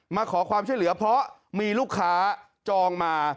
มาขอความช่วยเหลือเพราะมีลูกค้าจองมา